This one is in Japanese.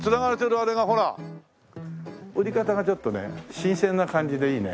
売り方がちょっとね新鮮な感じでいいね。